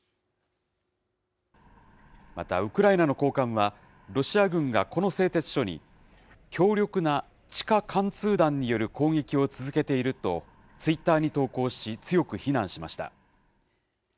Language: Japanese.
またウクライナの高官は、ロシア軍がこの製鉄所に、強力な地下貫通弾による攻撃を続けているとツイッターに投稿し、強く非難しました。